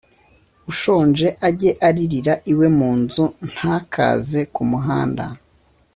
Ushonje ajye arira iwe mu nzu ntakaze ku muhanda